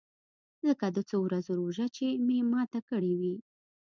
لکه د څو ورځو روژه چې مې ماته کړې وي.